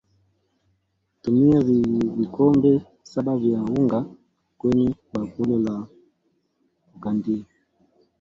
Tumia vikombe saba vya unga kwenye bakuli la kukandia